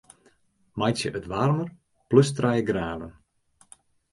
Meitsje it waarmer plus trije graden.